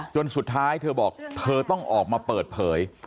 จนสุดท้ายเธอบอกเธอต้องออกมาเปิดเผย